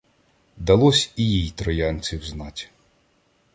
Далось і їй троянців знать.